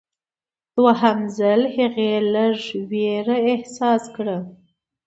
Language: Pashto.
دوهم ځل هغې لږ ویره احساس کړه.